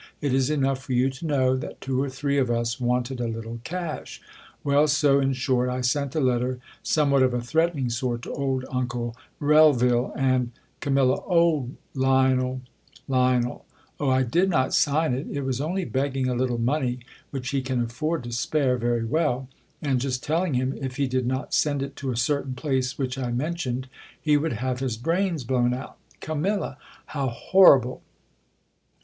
It is enough for you to know, that two or three of us wanted a litde cash ! Well, so in short, I sent a letter — somewhat of a threatening sort — to old uncle Relvil ; and — Cam, O Lionel ! Lion, O, I did not sign it* It was only begging a little money, w^hich he can afford to spare very well ; and just telling him, if he did not send it to a certain place wdiich I mentioned, he would have his brains blown out.' Cam. How horrible